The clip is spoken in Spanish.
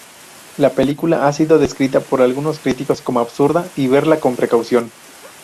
La película ha sido descrita por algunos críticos como "absurda" y "verla con precaución".